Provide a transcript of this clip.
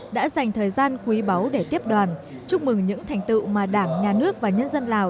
đã dành thời gian quý báu để tiếp đoàn chúc mừng những thành tựu mà đảng nhà nước và nhân dân lào